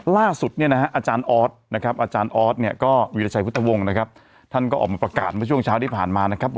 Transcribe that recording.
ล่าสุดอาจารย์ออสวีรชัยพุทธวงศ์ท่านก็ออกมาประกาศช่วงเช้าที่ผ่านมา